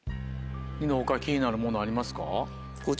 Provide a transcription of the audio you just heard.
ニノ他気になるものありますか？